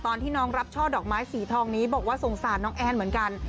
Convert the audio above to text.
ตอนที่น้องรับช่อดอกไม้สีทองนี้บอกว่าสงสารน้องแอนเหมือนกัน